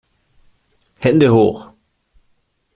Hände hoch!